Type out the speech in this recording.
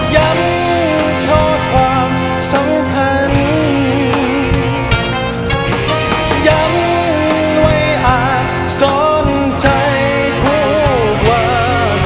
ยังเพราะความสำคัญยังไว้อาจสนใจทั่วกว่า